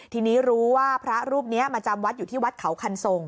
ทีนี้รู้ว่าพระรูปนี้มาจำวัดอยู่ที่วัดเขาคันทรง